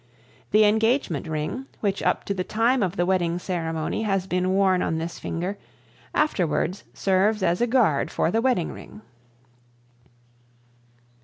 The engagement ring, which up to the time of the wedding ceremony has been worn on this finger, afterwards serves as a guard for the wedding ring.